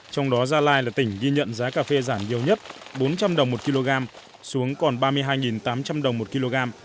trong đó gia lai là tỉnh ghi nhận giá cà phê giảm nhiều nhất bốn trăm linh đồng một kg xuống còn ba mươi hai tám trăm linh đồng một kg